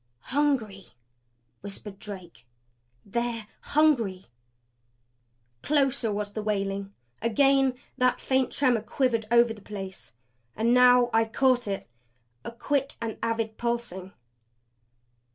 "Hungry!" whispered Drake. "They're HUNGRY!" Closer was the wailing; again that faint tremor quivered over the place. And now I caught it a quick and avid pulsing.